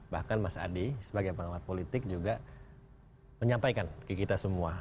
bahkan mas adi sebagai pengamat politik juga menyampaikan ke kita semua